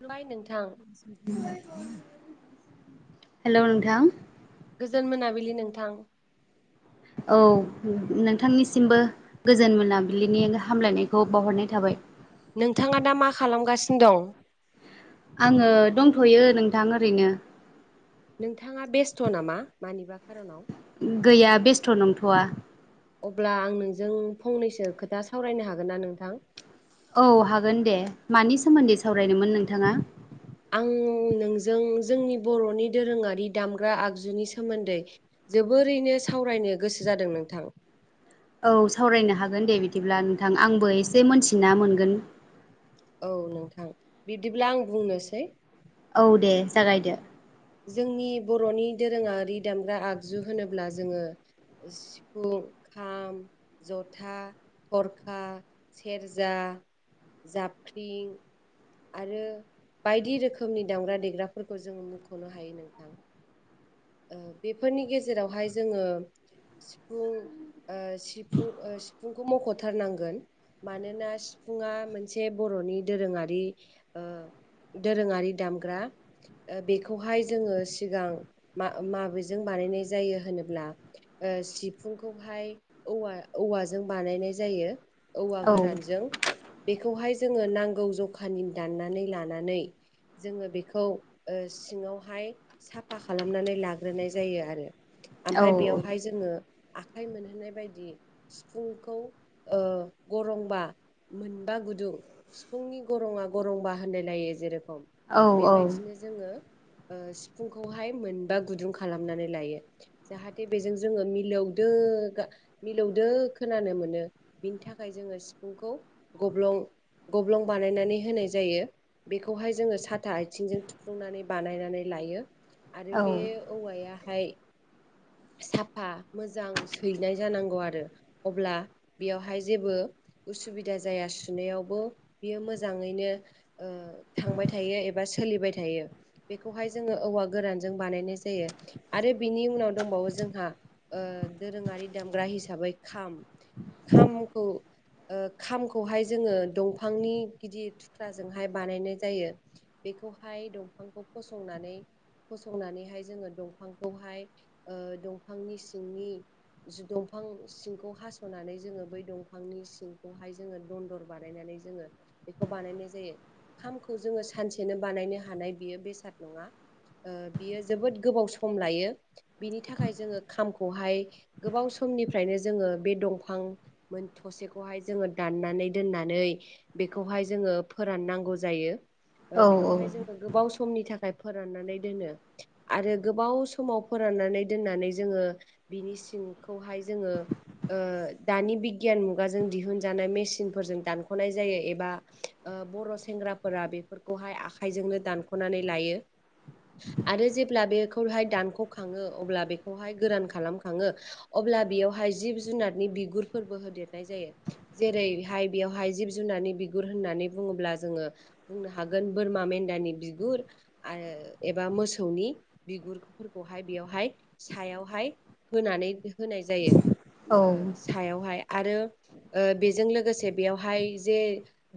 खुलुमबाय नोंथां [inaudible] हेल' नोंथां। गोजोन मोनाबिलि नोंथां। औ नोंथांनिसिमबो गोजोन मोनाबिलिनि हामलायनायखौ बाउहरनाय थाबाय। नोंथाङा दा मा खालामगासिनो दं? आङो दंथ'यो नोंथां ओरैनो। नोंथाङा बेस्थ' नामा मानिबा खार'नाव? गैया बेस्थ' नंथ'वा। अब्ला आं नोंजों फंनैसो खोथा सावरायनो हागोन ना नोंथां? औ हागोन दे मानि सोमोन्दै सावरायनोमोन नोंथाङा? आं नोंजों जोंनि बर'नि दोरोङारि दामग्रा आगजुनि सोमोन्दै जोबोरैनो सावरायनो गोसो जादों नोंथां। औ सावरायनो हागोन दे बिदिब्ला नोंथां आंबो एसे मोनथिना मोनगोन। औ नोंथां बिदिब्ला आं बुंनोसै। औ दे जागायदो। जोंनि बर'नि दोरोङारि दामग्रा आगजु होनोब्ला जोङो सिफुं खाम जथा थरखा सेरजा जाबख्रिं आरो बायदि रोखोमनि दामग्रा देग्राफोरखौ जों मुंख'नो हायो नोंथां। ओ बेफोरनि गेजेरावहाय जोङो सिफुं ओ सिफुं ओ सिफुंखौ मख'थारनांगोन। मानोना सिफुङा मोनसे बर'नि दोरोङारि ओ दोरोङारि दामग्रा बेखौहाय जोङो सिगां मा माबेजों बानायनाय जायो होनोब्ला सिफुंखौहाय औवा औ औवाजों बानायनाय जायो औवा औ गोरानजों। बेखौहाय जोंङो नांगौ जखानि दाननानै लानानै जोंङो बेखौ सिंङावहाय साफा खालामनानै लाग्रोनाय जायो आरो। औ ओमफफ्राय बेयावहाय जोंङो आखाइ मोनहोनाय बायदि सिफुंखौ गरंमबा मोनबा गुदुं सिफुंनि गरंङा गरंबा होननाय लायो जेरै औ बेबायदिनो जोंङो सिफुंखौहाय मोनबा गुदुं खालामनानै लायो जाहाथे बेजों जोंङो मिलौदो मिलौद दो खोनानो मोनो बिनि थाखाय जोंङो सिफुंखौ गब्लं गब्लं बानायनानै होनाय जायो बेखौहाय जोंङो साथा आथिंजों थुफ्लुंनानै बानायनानै ला लायो आरो औ बे औवायाहाय साफा मोजां सैनाय जानांगौ आरो अब्ला बेयावहाय जेबो उसुबिदा जाया सुनायावबो बियो मोजांङैनो थांबाय थायो एबा सोलिबाय थायो बेखौहाय जोंङो औवा गोरानजों बानायनाय जायो आरो बिनि उनाव दंबावो जोंहा दोरोङारि दामग्रा हिसाबै खाम खामखौ ओ खामखौहाय जोंङो दंफांनि गिदिर थुख्राजोंहाय बानायनाय जायो बेखौहाय दंफांखौ फसंनानै फसंनानैहाय जोंङो दंफांखौहाय ओ दंफांनि सिंनि दंफां सिंखौ हास'नानै जोंङो बै दंफांनि सिंखौहाय जोंङो दन्दर बानायनानै जोंङो बेखौ बानायनाय जायो खामखौ जोंङो सानसेनो बानायनो हानाय बियो बेसाद नंङा बियो जोबोद गोबाव सम लायो बिनि थाखाय जोंङो खामखौहाय गोबाव समनिफ्रायनो जोंङो बे दंफां मोनथ थसेखौहाय जोंङो दाननानै दोननानै बेखौहाय जोंङो फोराननांगौ जायो। ओ औ बेखौहाय जोंङो गोबाव समनि थाखाय फोराननानै दोनो आरो गोबाव समाव फोराननानै दोननानै जोंङो बिनि सिंखौहाय जोंङो ओ दानि बिगियान मुगाजों दिहुनजानाय मेसिनफोरजों दानख'नाय जायो एबा बर' सेंग्राफोरा बेफोरखौहाय आखाइजोंनो दानख'नानै लायो आरो जेब्ला बेखौहाय दानख' अब्ला बेखौहाय गोरान खालामखांङो अब्ला बेवहाय जिब जुनारनि बिगुरफोरबो लिरनाय जायो जेरैहाय बेयावहाय जिब जुनारनि बिगुर होननानै बुंङोब्ला जोंङो बुंनो हागौन बोरमा मेनदानि बिगुर आरो एबा मोसौनि बिगुर खौहाय बेयावहाय सायावहाय होनानै होनाय जायो औ ओ सायावहाय आरो बेजों लोगोसे बेयावहाय जे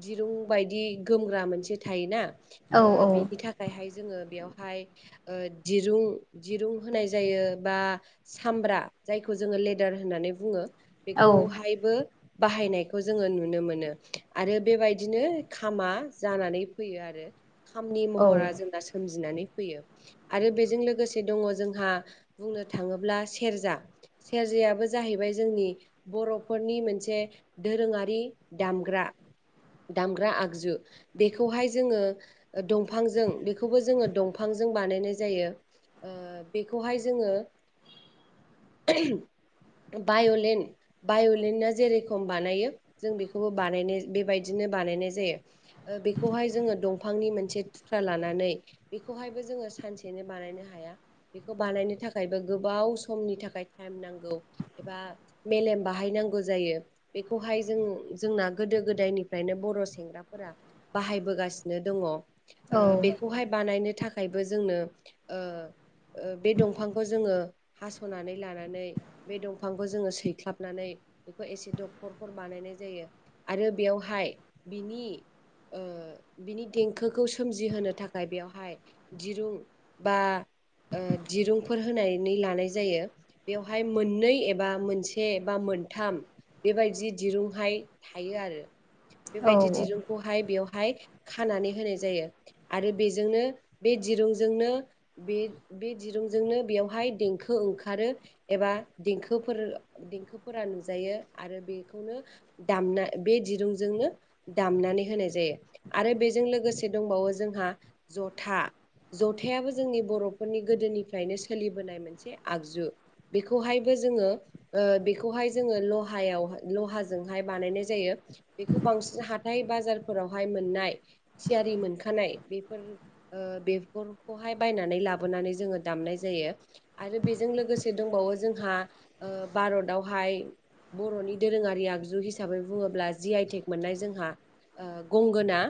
दिरुं बायदि गोमग्रा मोनसे थायोना औ ओ बिनि थाखायहाय जोंङो बेयावहाय दिरुं दिरुं होनाय जायो बा सामब्रा जायखौ जोंङो लेदार होननानै बुंङो औ बेखौहायबो बाहायनायखौ जोंङो नुनो मोनो आरो बेबायदिनो खामा जानानै फैयो आरो। खामनि महरा जोंना सोमजिनानै फैयो आरो बेजों लोगोसे दं जोंहा बुंनो थांङोब्ला सेरजा सेरजायाबो जाहैबाय जोंनि बर'फोरनि मोनसे दोरोंङारि दामग्रा दामग्रा आगजु बेखौहाय जोंङो दंफांजों बेखौबो जोंङो दंफां जों बानायनाय जायो बेखौहाय जोंङो [inaudible] बाय'लेन बायलणना जेरेखम बानायो जों बेखौबो बानायनाय बेबायदिनो बेखौहाय जोंङो दंफांनि मोनसे थुख्रा लानानै बेखौहायबो जों सानसेनो बानायनो हाया बेखौ बानायनो थाखायबो गोबाव समनि थाखाय टाइम नांगौ एबा मेलेम बाहाय हायनांगौ जायो। बेखौहाय जों-जोंना गोदो-गोदायनिफ्रायनो बर' सेंग्राफोरा बाहायबोगासिनो दङ ओ बेखौहाय बानायनो थाखायबो जोंनो ओ ओ बे दंफांखौ जोङो हास'नानै लानानै बे दंफांखौ जोङो सैख्लाबनानै नै बेखो एसे डगखरखर‌ बानायनाय जायो आरो बेयावहाय बिनि ओ बिनि देंखोखौ सोमजिहोनो थाखाय बेवहाय दिरुं बा ओ दिरुंफोर होनानै लानाय जायो बेवहाय मोननै एबा मोनसे एबा मोनथाम बेबायदि दिरुंहाय थायो आरो। बेबायदि दिरुंखौहाय बेवहाय खानानै होनाय जायो आरो बेजोंनो बे दिरुंजोंनो बे बे दिरुंजोंनो बेयावहाय देंखो ओंखारो एबा देंखोफोर-देंखोफोरा नुजायो आरो बेखौनो दामना बे दिरुंजोंनो दामनानै होनाय जायो। आरो बेजों लोगोसे दंबावो जोंहा जथा। जथायाबो जोंनि बर' नि गोदोनिफ्रायनो सोलिबोनाय मोनसे आगजु बेखौहायबो जोंङो ओ बेखौहा हाय जोंङो लहायावहाय लहाजोंहाय बानायनाय जायो बेखौ बांसिन हाथाय बाजारफोरावहा हाय मोननाय थियारि मोनखानाय बेफोर ओ बेफोरखोहाय बायनानै लाब बोनानै जोंङो दामनाय जायो। आरो बेजों लोगोसे दंबावो जोंहा ओ भारतावहा हाय‌ बर'नि दोरोङारि आगजु हिसाबै बुङोब्ला जि, आइटेक मोननाय जोंहा ओ गंगोना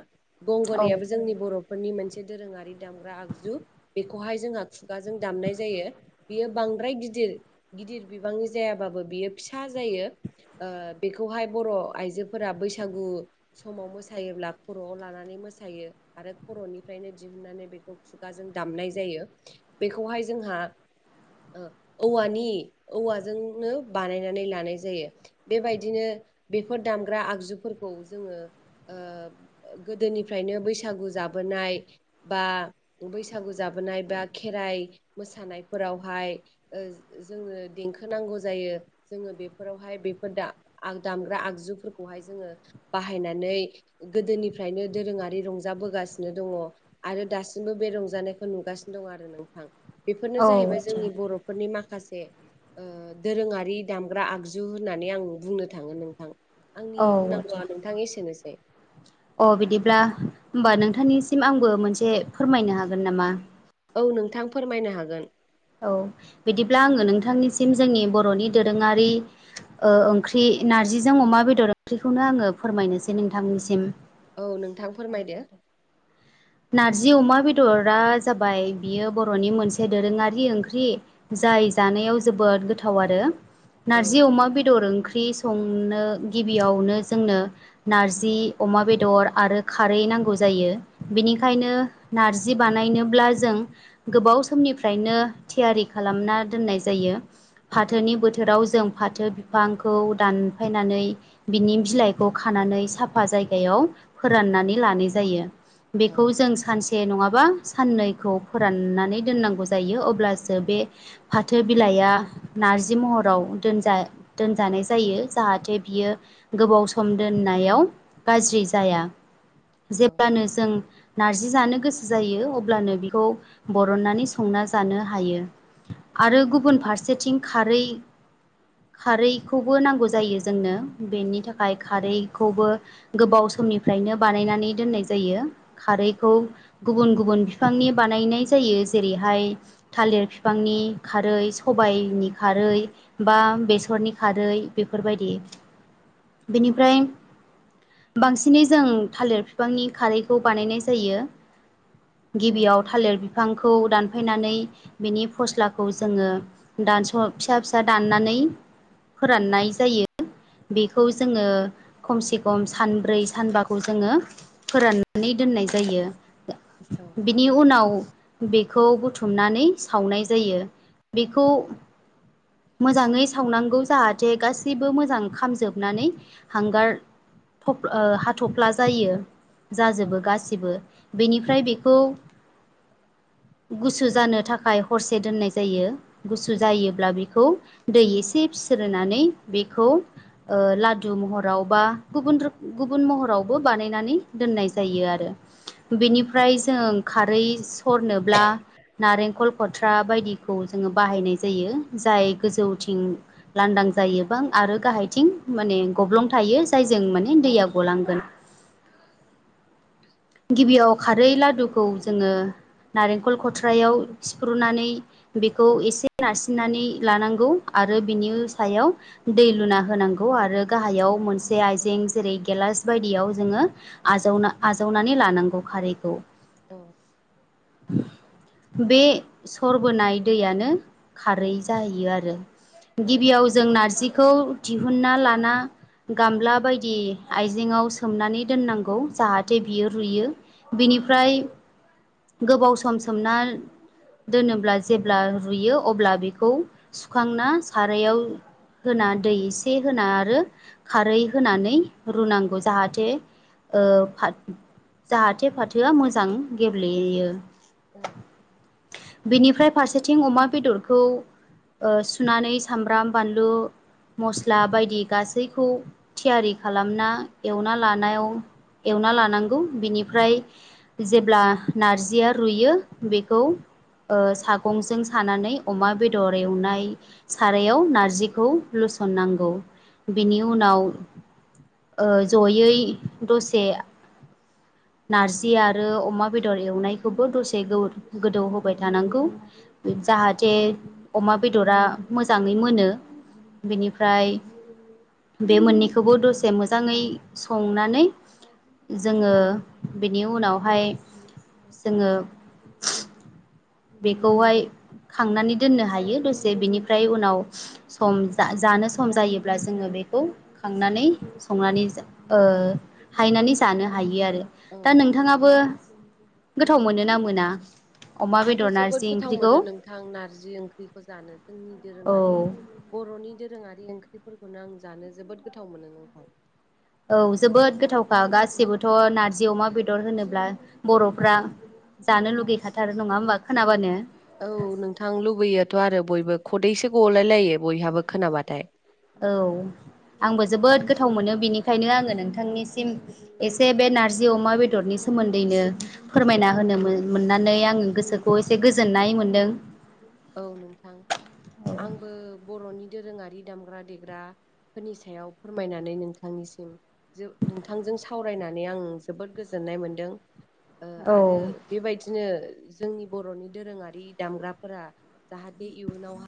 औ गंगनायाबो जोंनि बर'फोरनि मोनसे दोरोङारि दामग्रा आगजु बे खौहाय जोंहा खुगाजों दामनाय जायो बियो बांद्राय गिदिर-गिदिर बिबांनि जायाबाबो बियो फिसा जायो। ओ बेखौहाय बर' आइजोफोरा बैसागु समाव मोसायोब्ला खर'आव लानानै मोसायो आरो खरनिफ्रायनो दिहुननानै बेखौ खुगाजों दामनाय जायो बेखौहाय जोंहा औवानि औवाजोंनो बानायनानै लानाय जायो। बेबायदिनो बेफोर दामग्रा आगजुफोरखौ जोङो ओ गोदोनिफ्रायनो बैसागु जाबोनाय बा बैसागु जाबोनाय बा खेराइ मोसानायफोरावहाय ओ जोंनो देंखो नांगौ जा यो। जोङो बेफोरावहाय बेफोर दामग्रा आगजुफोरखौहाय जोङो बाहायनानै गोदोनिफ्रायनो दोरोङारि रंजाबोगासिनो दङ आरो दासिमबो बे रंजानाय नुगासिनो दं आरो नोंथां। बेफोरनो औ जाहैबाय जोंनि आतसा बर'फोरनि मा खासे दोरोंङारि दामग्रा आगजु होननानै आं बुंनो थाङो नोंथां। औ आंनि आदसा बुंनांगौआ नोंथां एसेनोसै। अ बिदिब्ला होमबा नोंथांनिसिम आंबो मोनसे फोरमायनो हागोन नामा? औ नोंथां फोरमायनो हागोन। औ बिदिब्ला आङो नोंथांनिसिम जोंनि बर'नि दोरोङारि ओ ओंख्रि नारजिजों अमा बेदर ओंख्रिखौनो आङो फोरमायनोसै नोंथांनिसिम। औ नोंथां औ दे फोरमायदो। दे नारजि अमा बेदरा जाबाय बियो बर'नि मोनसे दोरोङारि ओंख्रि जाय जानायाव जोबोद गोथाव आरो। औ नारजि अमा बेदर ओं ख्रि संनो गिबियावनो जोंनो नारजि अमा बेदर आरो खारै नांगौ जायो। बेनिखायनो नारजि बानायनोब्ला जों गोबाव समनिफ्रायनो थियारि खा खालामना दोननाय जायो। औ फाथोनि बोथोराव जों फाथो बिफांखौ दानफायनानै बिनि बिलाइखौ खानानै साफा जायगायाव [unintelligible] फोराननानै लानाय जायो। औ बेखौ जों सानसे नङाबा साननैखौ फोराननानै दोननांगौ जायो अब्लासो बे फाथो बिलाइया नारजि महराव दोनजा-दोनजानाय जायो जाहाथे बियो गोबाव सम दोननायाव गाज्रि जाया औ जेब्लानो जों नारजि जानो गोसो जायो अब्लानो बिखौ बरननानै संना जानो हायो। आरो गुबुन फारसेथिं खारै खारैखौबो नांगौ जायो जोंनो बेनि थाखाय खारैखौबो गोबाव समनिफ्रायनो बानायनानै दोननाय जायो खारैखौ गुबुन गुबुन बिफांनि बानायनाय जायो जेरैहाय थालिर बिफां नि खारै सबायाइनि खारै बा बेसरनि खारै बेफोरबायदि बेनिफ्राय बांसिनै जों थालिर बिफांनि खारैखौ बानायनाय जायो औ गिबियाव थालिर बिफांखौ दान दानफायनानै बिनि फस्लाखौ जोङो दानस' फिसा फिसा दाननानै फोराननाय जायो। बेखौ जोङो खमसे खम सानब्रै सानबाखौ जोङो फोराननानै दोननाय जायो औ बिनि उनाव बेखौ बुथुमनानै सावनाय जायो बेखौ मोजाङै सावनांगौ जाहाथे गासिबो मोजां खामजोबनानै हांगार हाथफ्ला जायो। जाजोबो गासिबो बेनिफ्राय बेखौ गुसु जानो थाखाय हरसे दोननाय जायो गुसु जायोब्ला बेखौ दै एसे सिरोननानै बेखौ लादु महराव बा गुबुन गुबुन महरावबो बानायनानै दोननाय जायो आर आरो बेनिफ्राय जों खारै सरनोब्ला नारेंखल खथ्रा बायदिखौ जोङो बाहायनाय जायो जाय गोजौथिं लांदां जायोबां आरो गाहाय थिं माने गब्लं थायो जायजों माने औ दैया गलांगोन गिबियाव खारै लादुखौ जोङो नारेंखल खथ्रायाव सिफ्रुनानै बेखौ एसे नारसिननानै लानांगौ आरो बिनि सायाव दै लुना होनांगौ आरो गाहायाव मोनसे आइजें जेरै गेलास बायदियाव जोङो आजावना नानै लानांगौ खारैखौ औ। बे सरबोनाय दैयानो खारै जाहैयो आरो औ गिबियाव जों नारजिखौ दिहुनना लाना गामला बायदि आइजेेंआव सोमनानै दोननांगौ जाहाथे बियो रुयो बिनिफ्राय गोबाव सम सोमना दोनोब्ला जेब्ला रुयो अब्ला बेखौ सुखांना सारायाव होना दै एसे होना आरो खारै होनानै रुनांगौ जाहाथे ओ फा जाहाथे फाथोआ मोजां गेब्लेयो औ। बेनिफ्राय फारसेथिं अमा बेदरखौ ओ सुनानै सामब्राम बानलु मस्ला बायदि गासैखौ थियारि खालामना एवना लानायाव एवना लानांगौ बिनिफ्राय जेब्ला नारजिया रुयो बेखौ ओ सागंजों सानानै अमा बेदर एवनाय सारायाव नारजिखौ लुसन नांगौ बेनि उनाव ओ जयै दसे नारजि आरो अमा बेदर एवनायखौबो दसे गोदौ होबाय थानांगौ जाहाथे अमा बेदरा मोजाङै मोनो [inaudible] बेनिफ्राय बे मोननैखौबो दसे मोजाङै संनानै जोङो बेनि उनावहाय जोङो बेखौहाय खांनानै दोननो हायो दसे बेनिफ्राय उनाव सम जानो सम जायोब्ला जोङो बे खौ खांनानै संनानै ओ हायनानै जानो हायो आरो औ दा नोंथाङाबो गोथाव मोनोना मोना अमा आंथ' बेदर जोबोद नारजि गोथाव ओंख्रिखौ मोनो नोंथां नारजि ओंख्रिखौ जानो जोंनि औ दोरोङारि बर'नि दोरोङारि ओंख्रिफोरखौनो आं जानो जोबोद गोथाव मोनो नोंथां। औ जोबोद गोथावखा गासिबोथ' नारजि अमा बेदर होनोब्ला बर'फ्रा जानो लुगैखाथारो नङा होमबा खोनाबानो औ नोंथां लुबैयाथ' आरो बयबो खदैसो गलाय लायो बयहाबो खोनाबाथाय औ आंबो जोबोद गोथाव मोनो बेनिखायनो आङो नोंथांनिसिम एसे बे नारजि अमा बेदरनि सोमोन्दैनो फोरमायना होनो औ मोन मोननानै आङो गोसोखौ एसे गोजोननाय मोनदों। औ नोंथां आंबो बर'नि दोरोङारि दामग्रा-देग्रा फोरनि सायाव फोरमायनानै नोंथांनिसिम नोंथांजों सावरायनानै आं जोबोद गोजोन नाय मोनदों ओ आरो औ बेबायदिनो जोंनि बर'नि दोरोङारि दामग्राफोरा जाहाथे इउनाव